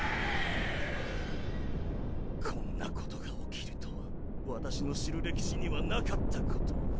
こんなことが起きるとは私の知る歴史にはなかったこと。